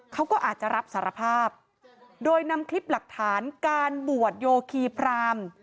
เขาก็อาจจะรับสารภาพโดยนำคลิปหลักฐานการบวชโยคีพราม